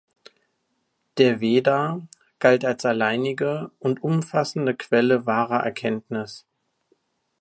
Der Veda galt als alleinige und umfassende Quelle wahrer Erkenntnis.